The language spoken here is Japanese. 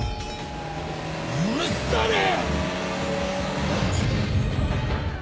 許さねえ‼